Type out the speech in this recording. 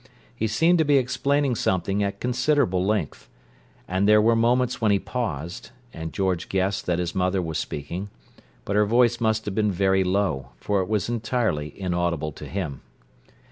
He seemed to be explaining something at considerable length, and there were moments when he paused, and George guessed that his mother was speaking, but her voice must have been very low, for it was entirely inaudible to him.